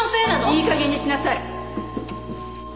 いいかげんにしなさい！